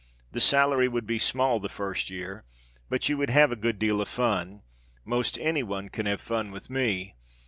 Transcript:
The salary would be small the first year, but you would have a good deal of fun. Most any one can have fun with me.